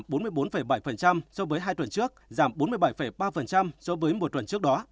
giảm bốn bảy so với hai tuần trước giảm bốn mươi bảy ba so với một tuần trước đó